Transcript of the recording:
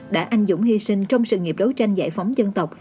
đã anh dũng hy sinh trong sự nghiệp đấu tranh giải phóng dân tộc